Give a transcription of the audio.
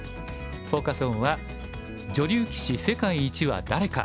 フォーカス・オンは「女流棋士世界一は誰か！